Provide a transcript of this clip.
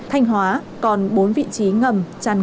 thanh hóa còn bốn vị trí ngầm tràn ngập